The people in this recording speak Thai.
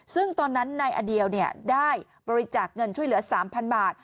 ซึ่งตอนนั้นนายอเดียวได้บริจาคเงินช่วยเหลือ๓๐๐บาท